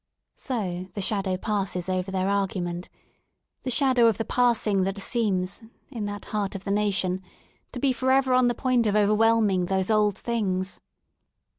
'' So the shadow passes over their argument — the shadow of the Passing that seems, in that heart of the nation, to be for ever on the point of overwhelming those old things.